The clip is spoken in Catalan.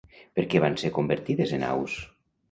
Per què van ser convertides en aus?